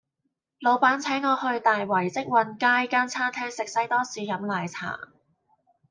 老闆請我去大圍積運街間餐廳食西多士飲奶茶